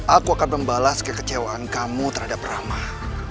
aku akan membalas kekecewaan kamu terhadap ramah